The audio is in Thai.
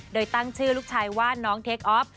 โดยตั้งชื่อลูกชายว่าน้องเทคออฟ